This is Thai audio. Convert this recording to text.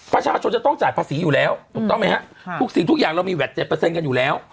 ประชาชนจะต้องจ่ายภาษีอยู่แล้วถูกต้องไหมฮะทุกสิ่งทุกอย่างเรามีแวด๗กันอยู่แล้ว